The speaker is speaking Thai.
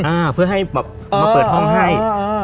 อ่าเพื่อให้แบบเออมาเปิดห้องให้เออเออเออ